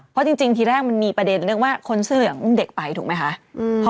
เพราะจริงทีแรกมันมีประเด็นเรื่องว่าคนเสื้อเหลืองอุ้มเด็กไปถูกไหมคะ